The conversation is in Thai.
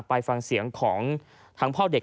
ไปฟังเสียงของทั้งพ่อเด็ก